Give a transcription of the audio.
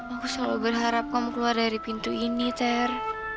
aku selalu berharap kamu keluar dari pintu ini cer